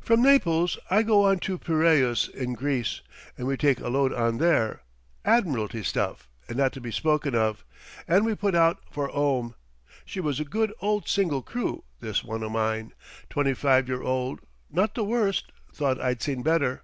"From Naples I go on to Piræus in Greece, and we take a load on there admiralty stuff, and not to be spoken of and we put out for 'ome. She was a good old single crew, this one o' mine. Twenty five year old not the worst, though I'd seen better.